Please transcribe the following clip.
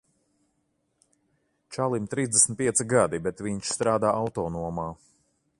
Čalim trīsdesmit pieci gadi, bet viņš strādā autonomā.